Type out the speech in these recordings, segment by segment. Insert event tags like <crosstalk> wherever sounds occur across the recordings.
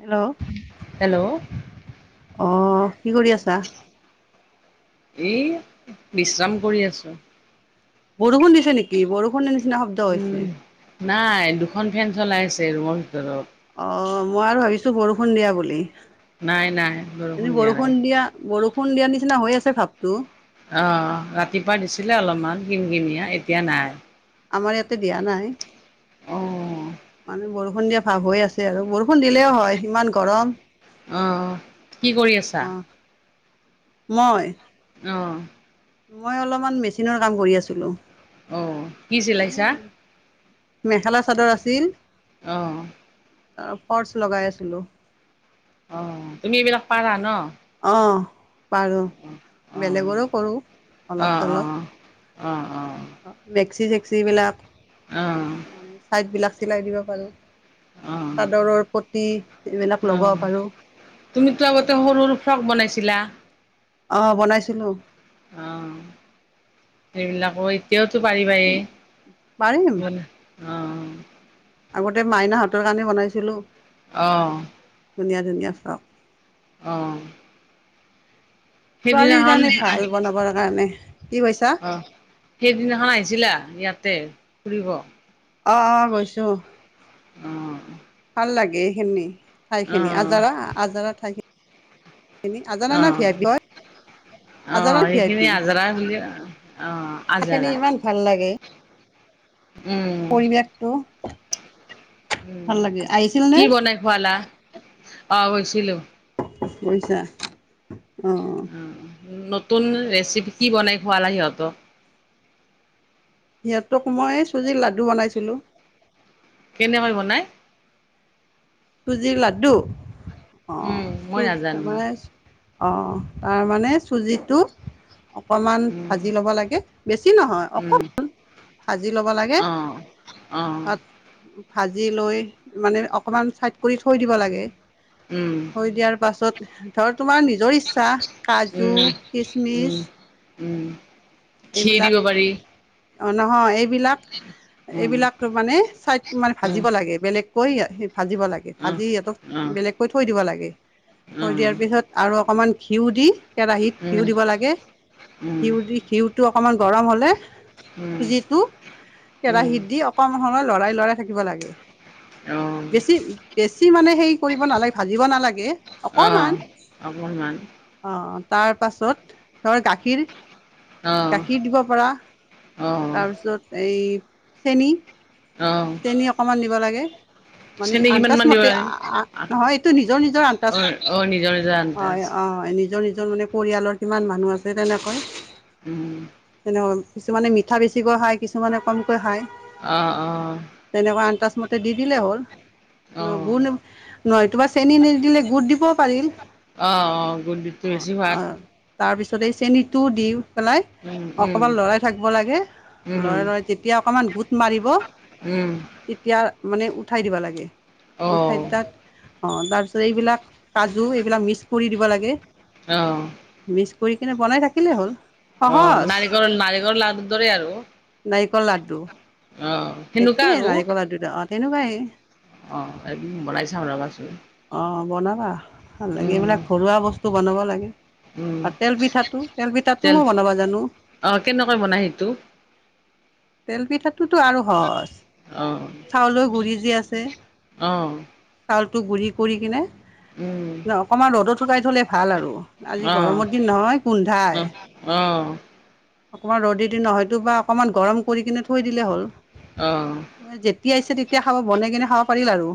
Hello অ hello অঁ কি কৰি আছা এই বিশ্ৰাম কৰি আছো বৰষুণ দিছে নেকি বৰষুণ নি নিচিনা শব্দ উম, হৈছে নাই দুখন ফেন চলাই আছে ৰুমৰ ভিতৰত অঁ মই আৰু ভাবিছোঁ বৰষুণ দিয়া বুলি নাই নাই বৰষুণ দিয়া নাই ফোন দিয়াৰ নিচিনা হৈ আছে ভাৱটো আহ ৰাতিপুৱা দিছিলে অলপমান কিন কিনিয় এতিয়া নাই আমাৰ ইয়াতে দিয়া নাই অ' মানে বৰ সন্ধিয়া ভাৱ হৈ আছে আৰু বৰষুণ দিলেও হয় ইমান গৰম অ' কি কৰি আছা? আহ মই অঁ মই অলপমান মেচিনৰ কাম কৰি আছিলোঁ অ গি ছিলাইছা মেখেলা চাদৰ আছিল আহঁ পৰ্চ লগাই আছিলো অ তুমি এইবিলাক পাৰা ন অ পাৰোঁ অ' বেলেগৰো কৰোঁ অলপ অ' অ' অ' অ' চলপ মেক্সি জ চিবিলাক অ' মানে ছাইট বিলাক চিলাই দিব পাৰো অ' অ' তাদৰৰ পতি এইবিলাক লগাব পাৰো। এক বনাইছিলা! অ বনাইছিলো। অ সেইবিলাকো। তেতিয়া পাৰিব এই পাৰিম মান অ' আগতে মাইনা হাতৰ কানি বনাইছিলো। আহ! ধুনীয়া ধুনীয়া চাও আহঁ! ছোৱালীৰ কাৰণে ভাল বনাবৰ কাৰণে কি কৈছা আহ সেইদিনাখন আহিছিলা, ইয়াতে ফুৰিব আহ অ বৈছো অ লাগে সেইনে ঠাই খিনি আজাৰা আজাৰা ঠাইখিনি এ আজানা না ভি অ', আই পি হয় আজানা অ', ভি আই সেইখিনি পি আজাৰা বুলি অ', সখিন আজাৰা ইমান ভাল লাগে। উম, পৰিৱেশটো উম ভাল লাগে আহিছিল নে কি বনাই খুৱালা? আহ বৈছিলিলো পইছা? আ! নতুন ৰেচিপি কি বনাই খুৱালা সিহঁত সিহঁতক মই চুজিত লাডু বনাইছিলো। কেনেকুৱা বনাই চুজিৰ লাড্ডু অ উম, মই চুন নাজানো অ' তাৰমানে চুজিতটো অকমান উম, ভাজি ল'ব লাগে বেছি নহয় উম, অকণমান ভাজি ল'ব লাগে অ', অ', ত ভাজি লৈ মানে অকণমান চাই কৰি থৈ দিব লাগে। উম, থ দিয়াৰ পাছত ধত তোমাৰ নিজৰ ইচ্ছা কাজু উম, উম, খিচমিচ উম ঘি দিব পাৰি অ নহয় এই এইবিলাক উম, এইবিলাক মানে চাইড মানে উম, ভাজিব লাগে বেলেগ কৰি অ হেব ভাজিব লাগে অ', ভাজি সিহতক অ', অ', বেলেগকৈ থৈ দিব লাগে থৈ উম, দিয়াৰ পিছত আৰু অকমান ঘিউ দি কেৰাহিত ঘিউ দিব লাগে উম, ঘিউ দি ঘিউ টো অকমান গৰম হলে উম, চুজিটো উম, কেৰাহিত দি অকমান হনাই লৰাই লৰাই থাকিব লাগে অ', বেছি পেচ বেছি মানে সেই কৰিব নালাগে ভাজিব নালাগে অকণমান অ', অকণমান অ তাৰ পাছত ধৰ গাখীৰ অ', গাখীৰ দিব পৰাৰ অ', তাৰপিছত এই চেনি অ', তেনি অকমান দিব লাগে মানে চেনি কিমান আন্তচ মান দিব মতে লাগে? আ আ নহয় এইটো নিজৰ নিজৰ আন্তচ অ', অ', নিজৰ নিজৰ অ আন্দাজ অ নিজৰ নিজৰ যে মানে পৰিয়ালৰ কিমান মানুহ আছে তেনেকৈ উম কিছুমানে মিঠা বেছিকৈ খায় কিছুমানে কমকৈ খায় অ অ তেনেকুৱা আন্তাজমতে দি দিলে হ'ল ন অ', গুণ নহয় তোমাৰ চেনি নিদিলে গুৰ দিবও পাৰিল অহ অহ অ গুৰতোট বেছি অ সোৱাদ তাৰপিছত এই চেনিটোও দিওঁ পেলাই উম, উম, অকমান লৰাই থাকিব লাগে উম, লৰাই লৰাই যেতিয়া অকণমান গোট মাৰিব উম, তেতিয়া মানে উঠাই দিবা লাগে। উঠাই অ', তাক অঁ তাৰপিছত এইবিলাক কাজু এইবিলাক মিক্স কৰি দিব লাগে আহ মিক্স কৰি কিনে বনাই থাকিলেই হ'ল অ সহজ নাৰিকল নাৰিকল লাুৰু দৰে আৰু কললাডু অ সেনেকুৱা আৰু তেনেকুৱাই অ একদিন বনাই চাম ভাবাছোন অ বনাবা ভাল লাগে এইবিলাক ঘৰুৱা বস্তু বনাব লাগে উম। আৰু তেল পিঠাটো তেল পিঠাটো মই বনাব জানো অ' কেনেকৈ বনাই সেইটো তেল পিঠাতটোতো আৰু অ' চাউলেৰ গুৰি যি আছে অ' চালটো গুৰি কৰি কিনে উম। ন অকমান ৰ'দত শুকাই থ'লে ভাল আৰু আজি অ' গৰমৰ দিন নহয় গোন্ধাই। অ' অ' অকমান ৰ'দ দি ন হয়তো বা অকণমান গৰম কৰি কিনে থৈ দিলে হ'ল। আহ তেতিয়া ইচ্ছা তেতিয়া খাব বনাই কিনে খাব পাৰিল আৰু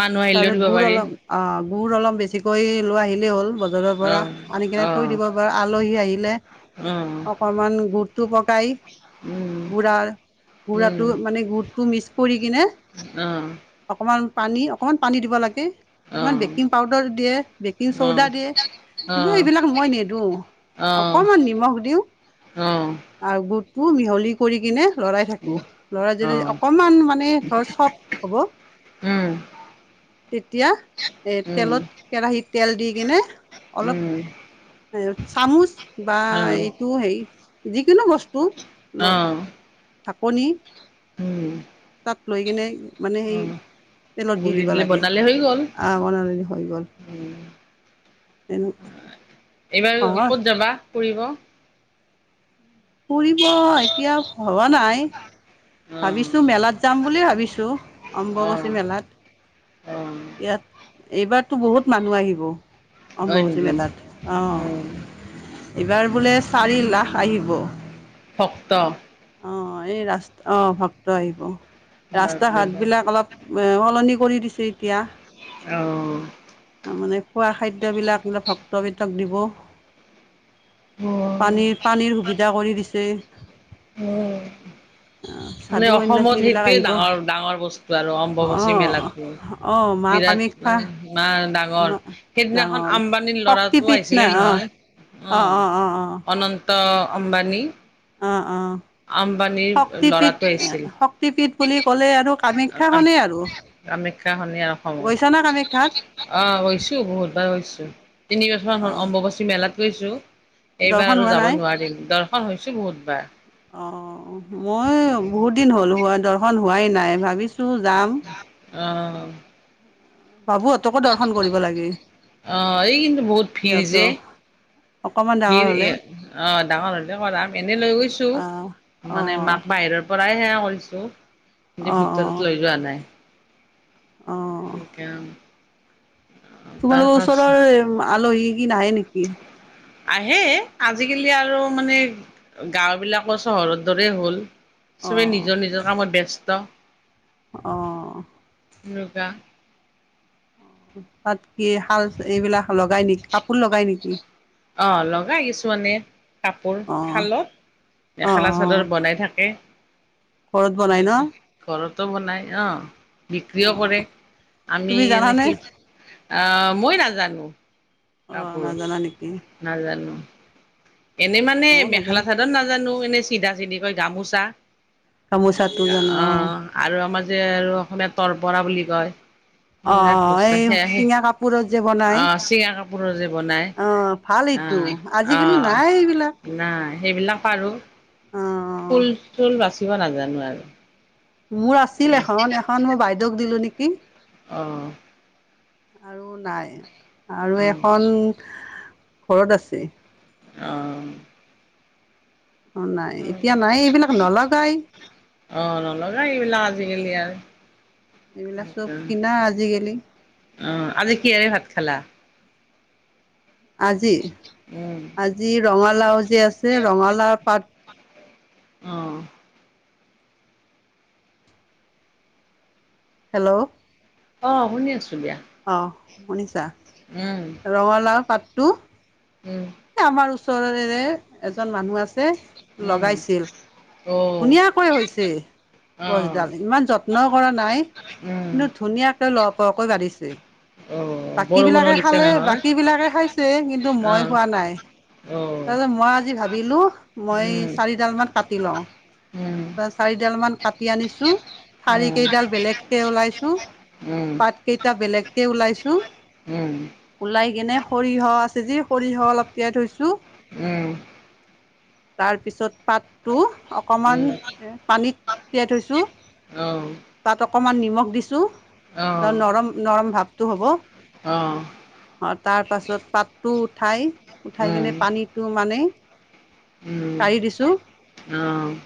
মানুহ আহিলেও তাৰপিছত দিব গুড় পাৰি অলপ অ গুড় অলপ বেছিকৈ লৈ আহিলেই হ'ল বজাৰৰ পৰা অ' আনি কেনে থৈ অ' অ' দিব পাৰ আলহী আহি <unintelligible> উম অকমান গুৰটো হক শুকাই গুড়াৰ উম, গুড়াটো মানে গুৰটো মিক্স কৰি কিনে অ' অ' অকণমান পানী অকণমান পানী দিব লাগে কিছুমান অ' বেকিং পাউদাৰ দিয়ে বেকিং, অ' চৌদা দিয়ে কিন্তু এইবিলাক মই নিদিওঁ অকণমান নিমখ দিওঁ। আহ গুৰটো মিহলি কৰি কিনে লৰাই থাকো লৰাই যদি অকমান মানে ধৰ চফট হ'ব উম, তেতিয়া এ উম, তেলত কেৰাহিত তেল দি কিনে অলপ উম। এ চামুচ বা অ', সেই যিকোনো বস্তু ল অ' ঢাকনি উম। তাত লৈ কিনে মানে সেই অ', তেলত দি গুলি দিব দিলে লাগে বনালে হৈ গ'ল। বনাল হৈ গ'ল উম, এনে এইবাৰ সহজ ক'ত যাবা ফুৰিব ফুৰিব এতিয়া ভবা নাই অ', ভাবিছোঁ মেলাত যাম বুলি ভাবিছোঁ অম্বুবাচী অ', মেলাত অ', ইয়াত। এইবাৰতো বহুত মানুহ আহিব হয় অম্বুবাচী নেকি? মেলাত, অ'। এইবাৰ বোলে চাৰি লাখ আহিব ভক্ত। অ' এই ৰাস্ত অ' ভক্ত আহিব। বাপৰে ৰাস্তা-ঘাট বাপ। বিলাক অলপ অ' সলনি কৰি দিছে এতিয়া। অ' তাৰ মানে খোৱা খাদ্যবিলাক এই ভক্তবোৰক দিব। অ' অ', পানীৰ পানীৰ সুবিধা কৰি দিছে ন মানে সাধু অসমত সন্যাসী বিলাক সেইটোয়ে আহিব অ ডাঙৰ ডাঙৰ বস্তু আৰু অম্বুবাচী মেলাটো অ মা বিৰাট কামাখ্যা মানে ডাঙৰ মা সেইদিনাখন ডাঙৰ আম্বানীৰ ল'ৰাটো শক্তিপীঠ না আহিছিলে নহয় অ অনন্ত ত অম্বানী অ অ আম্বানীৰ শক্তিপীঠ লৰাটো এ আহছিল শক্তিপীঠ বুলি ক'লে আৰু কামাখ্যাখনেই আৰু কামাখ্যাখনিৰ আৰু গৈছা না কামাখ্যাত অসমত আহ গৈছো বহুতবাৰ হৈছো তিন বছৰ অ হল অম্বুবচী মেলাত গজু এইবাৰ দৰ্শন আৰু হোৱা যাব নাই নোৱাৰিল দৰ খন হৈছো বহুতবাৰ অ মই বহুত দিন হ'ল হোৱা দৰ্শন হোৱাই নাই ভাবিছো চু যাম অঁ বাবুহঁতকো দৰ্শন কৰিব লাগে আহ এই কিন্তু বহুত ফিৰ সিহঁত যে অকমান ডাঙৰ ফিৰ হলে আহ ডাঙৰ হ'লে <unintelligible> লৈ গৈছো আহ অ মানে মাক বাহিৰৰ পৰ প্ৰায় সেয়া কৰিছোঁ। অ যে অ ভিতৰত লৈ যোৱা নাই। অ এনেকা তোমালোকৰ ওচৰৰ আলহী কি নাহে নেকি? আহে আজিকালি আৰু মানে গাঁওবিলাকৰ চহৰৰ দৰে হ'ল। অ চবে নিজৰ নিজৰ কামত ব্যস্ত ত। অ'। মূগা। তাত কি শাল এইবিলাক লগাই নেকি কাপোৰ লগাই নেকি অ', লগাই কিছুমানমানে কাপোৰ অ শালত, অ মেখেলা চাদৰ অ বনাই থাকে, ঘৰত বনাই ন ঘৰত ত' বনাই অ'। অ বিক্ৰীও কৰে আমি, তুমি জানানে এনেকি অহ, মই নাজানো। অ কাপোৰ নাজানা নেকি নাজানো। এনেই মানে অ মেখেলা নাজানো চাদত নাজানো এনেই চিধা চিধি কয় গামোচা। গামোচাটো জানো অ আৰু আমাৰ যে আৰু অসমীয়াত তৰপৰা বুলি কয়। অ সেইবিলাক বস্তা এই সেয়াহে চিঙা কাপোৰৰ অ চিঙা কাপোৰৰ যে বনায় অ ভাল এইটো আহ আজিকালি নাই এইবিলাক আহ নাই সেইবিলাক পাৰো। অ ফুল চুল বাচিব নাজানো আৰু। মোৰ আছিল এখন এখন মোৰ বাই দোষ দিলো নেকি? অহ আৰু নাই। আৰু অ' এখন ঘৰত আছে। অ। অ নাই এতিয়া নাই এইবিলাক নলগাই অহ নলগাই এইবিলাক আজিকালি আহ এইবিলাক চব কিনা আজিকালি আজি কিহেৰে ভাত খালা আজি উম আজি ৰঙালাও যে আছে ৰঙালাও পাত অহ হেল্ল' অ শুনি আছো দিয়া অ শুনিছা উম ৰঙালাও পাত টো উম আমাৰ ওচৰৰৰে এজন মানুহ আছে উম লগাইছিল অ' ধুনীয়াকৈ হৈছে অ' গছডাল ইমান যত্ন কৰা নাই উম কিন্তু ধুনীয়াকে ল কৈ ব ছে অ' বাকী বৰষুণো বিলাকে দিছে খালে নহয় বাকী বিলাকে খাইছে কিন্তু মই অ' খোৱা নাই অ' তাৰপিছত মই আজি ভাবিলো মই উম চাৰিডাল মান কাটি লওঁ। অ', চাৰিডাল মান কাটি আনিছোঁ ঠাৰি কেইডাল বেলেগকে ওলাইছো। পাত কেইটা বেলেগ তে ওলাইছোঁ উম। ওলাই কিনে সৰিয়হ আছে যে সৰিয়হ অলপ তিয়াই থৈছো। তাৰ পিছত পাতটো অকণমান পানীত তিয়াই থৈছো। তাত অকমান অকণমান নিমখ দিছোঁ ত, নৰম নৰম ভাৱ টো হ'ব। অ, তাৰ পাছত পাতটো ঠাই উম। মানেই উম। আহ'।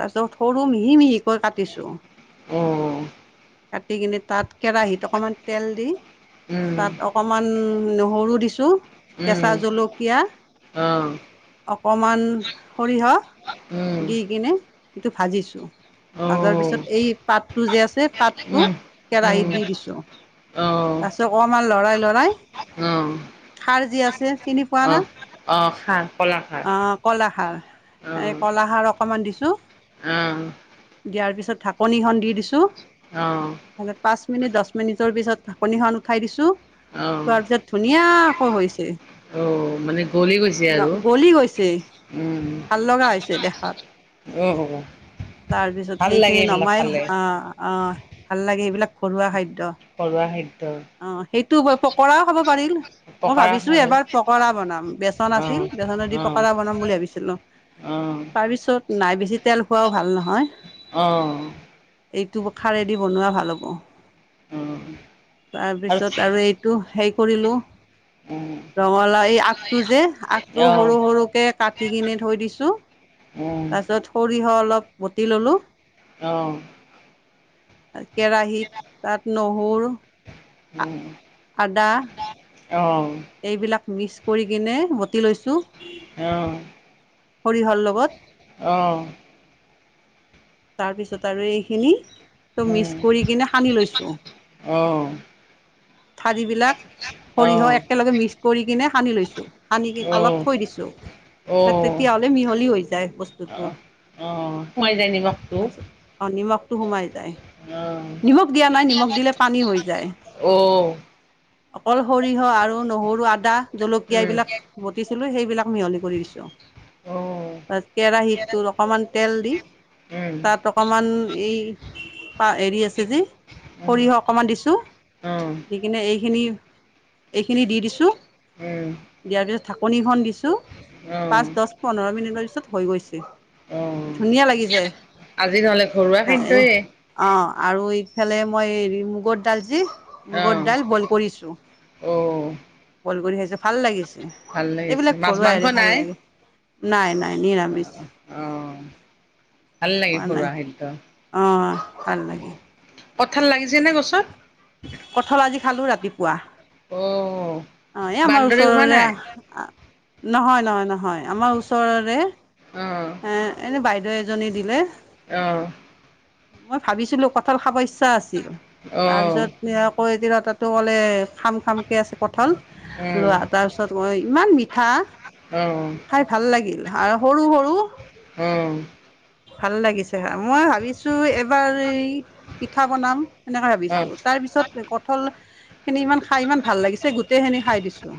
তাৰ পিছত সৰু মিহি মিহিকৈ কাটিছো। আহ'। কাটি কিনে তাত কেৰাহীত অকমান তেল দি তাত অকমান নহৰু দিছোঁ কেঁচা জলুক কীয়া অকমান সৰিয় দি কিনে সেটো ভাজিছো ভজাৰ পিছত এই পাতটো যে আছে পাতটো কেৰাহিত দি দিছো তাৰপিছত অকমান লৰাই, লৰাই খাৰ যি আছে চিনি পোৱা না। খাৰ কলাখাৰ অ, কলা সাৰ। এই কলাসাৰ অকণমান দিছোঁ অহ দিয়াৰ পিছত ঢাকনিখন দি দিছোঁ অহ মিনিট দহ মিনিটৰ পিছত ঢাকনিখন উঠাই দিছোঁ অ', তোৱাৰ পিছত ধুনীয়াকৈ হৈছে অ', মানে গলি গৈছে আৰু গলি গৈছে উম, ভাল লগা হৈছে দেখাত অ', তাৰপিছত ভাল লাগে সেইখিনি এইবিলাক নমাই খালে। আহ আহ ভাল লাগে সেইবিলাক ঘৰুৱা খাদ ঘৰুৱা খাদ্য অ সেইটোকৈ পকৰাও খাব পাৰিল মই পকাৰা ভাবিছো খাব এবাৰ পকৰা বনাম বেচন অ আছিল বেচন দি অ পকৰা বনাম বুলি ভাবিছিলো অ তাৰপিছত নাই, বেছি তেল খোৱাও ভাল নহয়। অ এইটো খাৰেদি বনোৱা ভাল হ'ব। অ' অ' তাৰপিছত আৰু এইটো সেই কৰিলোঁ। উম ৰঙালাও এই আগটো যে, আগটো আহ সৰু সৰুকে কাটি কিনে থৈ দিছো উম তাৰপিছত সৰিহ হ অলপ বতি ললো অঁ <inaudible> ত কেৰাহীত তাত নহৰ উম। আদা অঁ এইবিলাক মিক্স কৰি কিনে বটি লৈছোঁ। অঁ সৰিহৰ লগত অ'। তাৰপিছত আৰু এইখিনি ত' মিক্স কৰি কিনে সানি লৈছো। অ'। ঠাৰিবিলাক সৰিয়হ একেলগে মিক্স কৰি কিনে সানি লৈছো, সানি কিনে অ অ অলপ থৈ দিছো অ তেতিয়াহ'লে মিহলি হৈ যায় বস্তুটো, সোমাই যায় নিমখটো তাৰিত নিমখ টো সোমায় যায়, অ নিমখ দিয়া নাই, নিমখ দিলে পানী হৈ যায়। অকল সৰিয়হ আৰু নহৰু আদা জলকীয় উম এইবিলাক বটিছিলোঁ সেইবিলাক মিহলি কৰি দিছোঁ অ উম তাত কেৰাহীটোত অকণমান তেল দি তাত অকণমান এই আ হেৰি আছে যে উম সৰিয়হ অকণমান দিছোঁ। অ দি কিনে এইখিনি এইখিনি দি দিছো। উম। ঢাকনিখন দিছো ছো পাঁচ, দশ, পোন্ধৰ মিনিটৰ পিছত হৈ গৈছে। অ ধুনীয়া লাগিছে আজি নহলে ঘৰুৱা খাদ্যয়ে। অঁ আৰু এইফালে মই হেৰি মুগৰ দালজি মূ্গৰ অ', দাল বইল কৰিছো, অ', বইল কৰি খাইছোঁ। ভাল লাগিছে। ভাল লাগিছে এইবিলাক মাছ ঘৰুৱাই মাংস হেৰি ভাল নাই লাগে, নাই নাই নিৰামিষ। অ', ভাল লাগে পোৱা নাই, ঘৰুৱা খাদ্য অ ভাল লাগে। কথাৰ লাগি চেনে গছত? কঁঠাল আজি ৰাতিপুৱা। অঁ অ এই আমাৰ ওচৰৰে নহয় নহয় নহয় আমাৰ ওচৰৰে। অ দেউ এজনী দিলে। অহ। মই ভাবিছিলো কঁঠাল খাব ইচ্ছা আছ ছিল অ', তাৰপিছত আকৌ এদিলত তাতো বোলে খাম খামকে আছে কঁঠাল। উম, লোৱা তাৰপিছত মই ইমান মিঠা। অ', খাই ভাল লাগিল। আৰু সৰু সৰু উম। ভাল লাগিছে খাই মই ভাবিছো এবাৰ এই পিঠা বনাম সনেকে অ', ভাবিছো তাৰ পিছত কঁঠল খিনি ইমান খাই ইমান ভাল লাগিছে গোটেইখিনি খাই দিছোঁ।